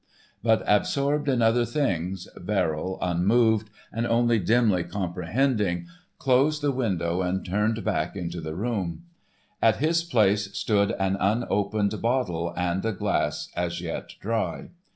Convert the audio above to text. But absorbed in other things, Verrill, unmoved, and only dimly comprehending, closed the window and turned back into the room. At his place stood an unopened bottle and a glass as yet dry.